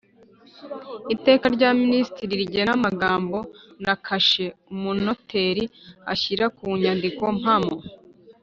Iteka rya Minisitiri rigena amagambo na kashe Umunoteri ashyira ku nyandiko mpamo